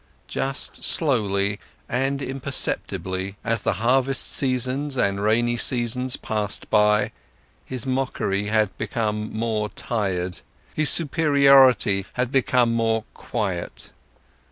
Just slowly and imperceptibly, as the harvest seasons and rainy seasons passed by, his mockery had become more tired, his superiority had become more quiet.